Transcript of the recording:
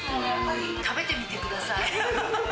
食べてみてください。